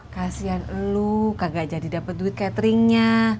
kasihan elu kagak jadi dapet duit cateringnya